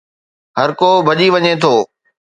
هرڪو ڀڄي وڃي ٿو